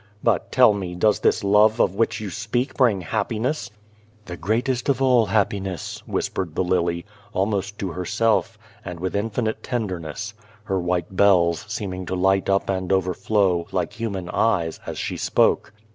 But, tell me, does this love of which you speak bring happiness ?" "The greatest of all happiness," whispered the lily, almost to herself, and with infinite tenderness her white bells seeming to light up and overflow, like human eyes, as she spoke.